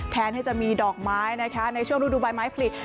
แทนที่จะมีดอกไม้นะคะในช่วงฤดูบายไม้ผลิต